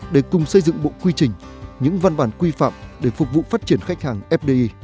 để cùng xây dựng bộ quy trình những văn bản quy phạm để phục vụ phát triển khách hàng fdi